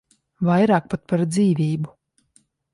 Vairāk pat par dzīvību.